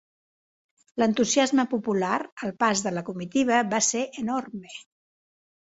L'entusiasme popular al pas de la comitiva va ser enorme.